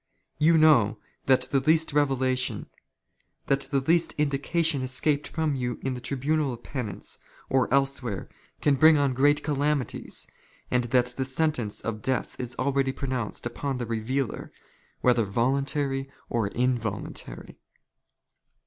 You know that the least revela tion, that the slightest indication escaped from you in the tribunal of penance, or elsewhere, can bring on great calamities, '^ and that the sentence of death is already pronounced upon the " revealer, whether voluntary or involuntary.